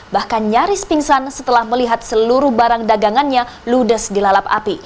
bahkan nyaris pingsan setelah melihat seluruh barang dagangannya ludes dilalap api